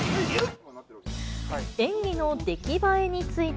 演技の出来栄えについて。